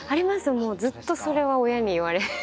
もうずっとそれは親に言われ。